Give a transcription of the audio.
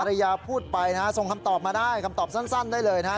ยาพูดไปนะฮะส่งคำตอบมาได้คำตอบสั้นได้เลยนะฮะ